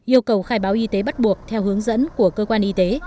yêu cầu khai báo y tế bắt buộc theo hướng dẫn của cơ quan y tế